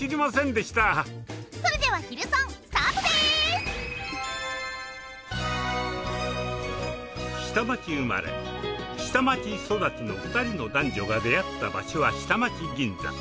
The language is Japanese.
それでは下町生まれ下町育ちの２人の男女が出会った場所は下町銀座。